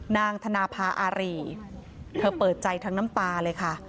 นางธนภาอารีเธอเปิดใจทั้งน้ำตาเลยค่ะ